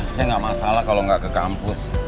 saya enggak masalah kalau enggak ke kampus